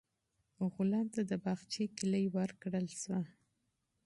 غلام ته د باغچې کیلي ورکړل شوه.